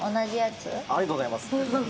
ありがとうございます。